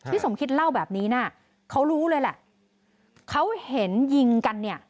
สมคิดเล่าแบบนี้นะเขารู้เลยแหละเขาเห็นยิงกันเนี่ย